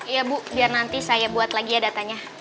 iya bu biar nanti saya buat lagi ya datanya